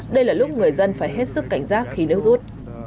đây là lúc người dân phải hết sức cảnh giác khi nước rút